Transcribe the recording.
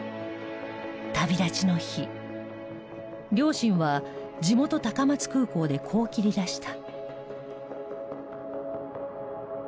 両親は地元高松空港でこう切り出した。